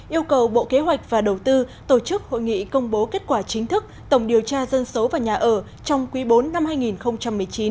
yêu cầu bộ kế hoạch và đầu tư tổ chức hội nghị công bố kết quả chính thức tổng điều tra dân số và nhà ở trong quý bốn năm hai nghìn một mươi chín